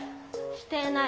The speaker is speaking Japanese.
してない。